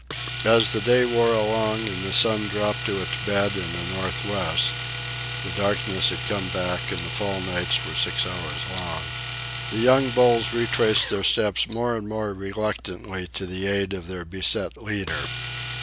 As the day wore along and the sun dropped to its bed in the northwest (the darkness had come back and the fall nights were six hours long), the young bulls retraced their steps more and more reluctantly to the aid of their beset leader.